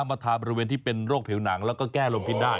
มาทาบริเวณที่เป็นโรคผิวหนังแล้วก็แก้ลมพิษได้